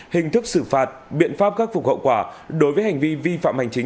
hình thức xử phạt biện pháp khắc phục hậu quả đối với hành vi vi phạm hành chính